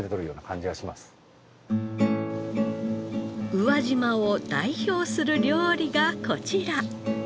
宇和島を代表する料理がこちら。